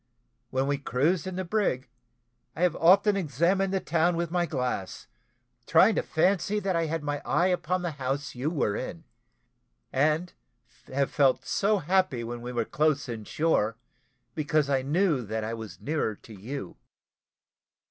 When we cruised in the brig, I have often examined the town with my glass, trying to fancy that I had my eye upon the house you were in; and have felt so happy when we were close in shore, because I knew that I was nearer to you."